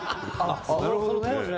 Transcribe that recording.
なるほどね。